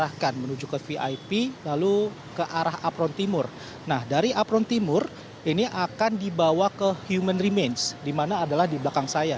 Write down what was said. yang diarahkan menuju ke vip lalu ke arah apron timur nah dari apron timur ini akan dibawa ke human remains di mana adalah di belakang saya